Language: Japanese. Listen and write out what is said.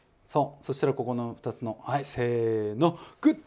そしたらここの２つのはいせのぐっ！